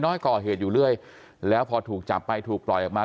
น้อยก่อเหตุอยู่เรื่อยแล้วพอถูกจับไปถูกปล่อยออกมา